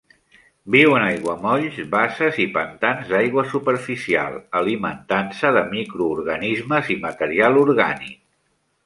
Viu en aiguamolls, basses i pantans d'aigua superficial, alimentant-se de microorganismes i material orgànic.